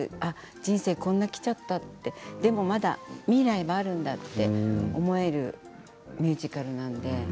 人生をこんなにきちゃったでもまた未来もあるんだって思えるミュージカルなので。